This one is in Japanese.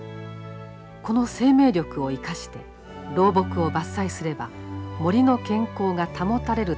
この生命力を生かして老木を伐採すれば森の健康が保たれるという学説をどろ亀さんは説いてきた。